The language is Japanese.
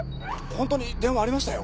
ホントに電話ありましたよ？